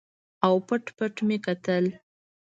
او پټ پټ مې کتل.